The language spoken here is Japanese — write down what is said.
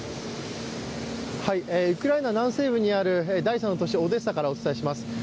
ウクライナ南西部にある第３の都市・オデッサからお伝えします。